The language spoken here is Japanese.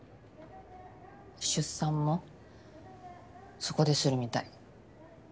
出産もそこでするみたい。